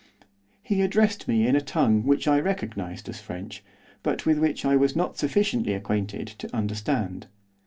He addressed me in a tongue which I recognised as French, but with which I was not sufficiently acquainted to understand.